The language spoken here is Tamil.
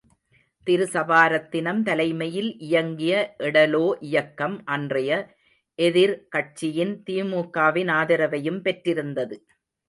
திருசபாரத்தினம் தலைமையில் இயங்கிய எடலோ இயக்கம் அன்றைய எதிர்கட்சியின் திமுகவின் ஆதரவையும் பெற்றிருந்தது.